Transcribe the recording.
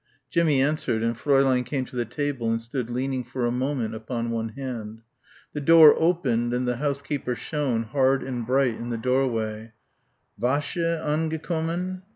Jimmie answered and Fräulein came to the table and stood leaning for a moment upon one hand. The door opened and the housekeeper shone hard and bright in the doorway. "Wäsche angekommen!"